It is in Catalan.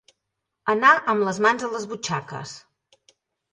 Anar amb les mans a les butxaques.